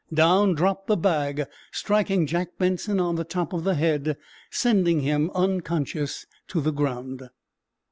Down dropped the bag, striking Jack Benson on the top of the head, sending him unconscious to the ground.